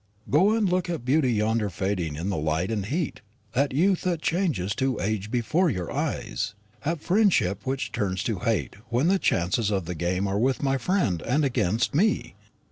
Go and look at beauty yonder fading in the light and heat; at youth that changes to age before your eyes; at friendship which turns to hate when the chances of the game are with my friend and against me.